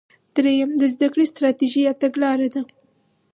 دریم د زده کړې ستراتیژي یا تګلاره ده.